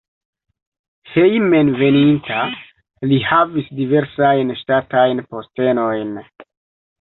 Hejmenveninta li havis diversajn ŝtatajn postenojn.